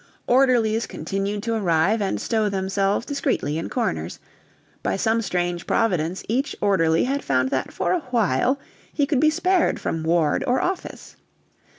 Orderlies continued to arrive and stow themselves discreetly in corners: by some strange providence each orderly had found that for a while he could be spared from ward or office.